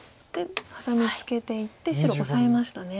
ハサミツケていって白オサえましたね。